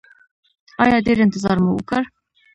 ایا ډیر انتظار مو وکړ؟